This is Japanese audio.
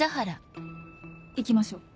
行きましょう。